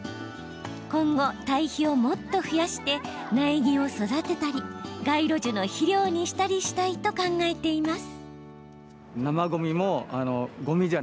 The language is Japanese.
今後、堆肥をもっと増やして苗木を育てたり街路樹の肥料にしたりしたいと考えています。